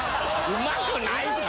うまくはない。